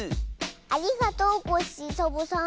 ありがとうコッシーサボさん。